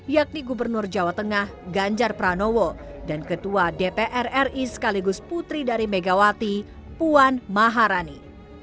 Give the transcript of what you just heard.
yakni gubernur jawa tengah ganjar pranowo dan ketua dpr ri sekaligus putri dari megawati puan maharani